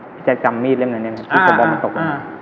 พี่แจ๊คจำมีดเรื่องนั้นเนี้ยครับ